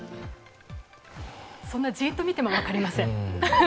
そんなじっと見ても分かりません。